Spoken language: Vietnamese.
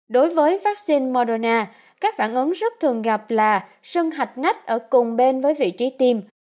đối với vaccine moderna các phản ứng rất thường gặp là sân hạch nách ở cùng bên với vị trí tiêm